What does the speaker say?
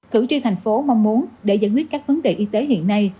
thử truyền thành phố mong muốn để giải quyết các vấn đề y tế hiện nay